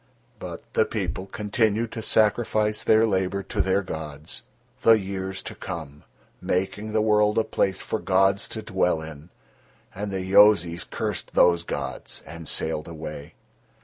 But the people continued to sacrifice their labour to their gods, the years to come, making the world a place for gods to dwell in, and the Yozis cursed those gods and sailed away.